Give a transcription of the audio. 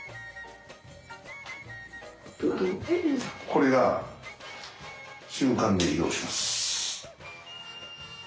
これが瞬間で移動します。